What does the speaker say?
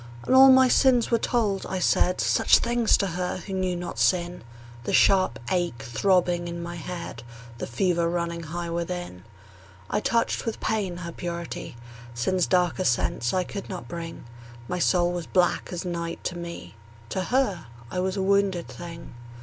And all my sins were told; I said Such things to her who knew not sin The sharp ache throbbing in my head, The fever running high within. I touched with pain her purity; Sin's darker sense I could not bring: My soul was black as night to me: To her I was a wounded thing.